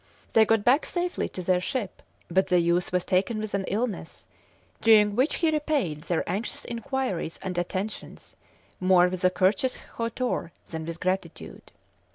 They got back safely to their ship, but the youth was taken with an illness, during which he repaid their anxious inquiries and attentions more with a courteous hauteur than with gratitude.